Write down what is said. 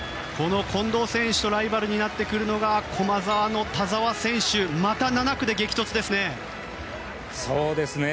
近藤選手とライバルになってくるのが駒澤の田澤選手また７区で激突ですね。